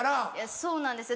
そうなんですよ